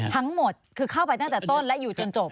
ทั้งหมดคือเข้าไปตั้งแต่ต้นและอยู่จนจบ